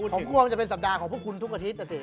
ของผมจะเป็นสัปดาห์ของคุณทุกอาทิตย์สิ